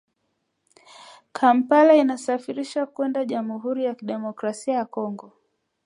Kampala inasafirisha kwenda jamhuri ya kidemokrasia ya Kongo